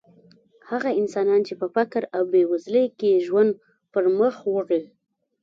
هغه انسانان چې په فقر او بېوزلۍ کې ژوند پرمخ وړي.